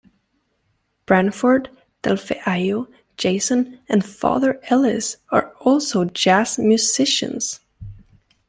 Branford, Delfeayo, Jason and father Ellis are also jazz musicians.